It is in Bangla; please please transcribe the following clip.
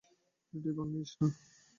রেডিও ভাঙ্গিস না!